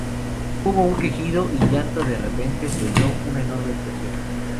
Hubo un quejido y llanto y de repente se oyó una enorme explosión.